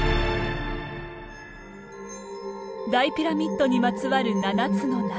大ピラミッドにまつわる七つの謎。